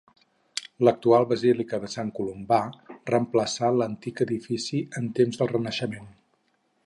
L'actual basílica de Sant Columbà reemplaçà l'antic edifici en temps del Renaixement.